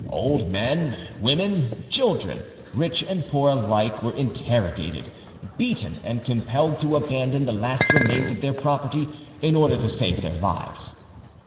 Old men, women, children, rich and poor alike, were interrogated, beaten, and compelled to abandon the last remains of their property in order to save their lives.